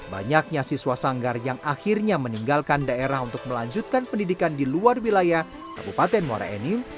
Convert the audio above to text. banyaknya siswa sanggar yang akhirnya meninggalkan daerah untuk melanjutkan pendidikan di luar wilayah kabupaten muara enim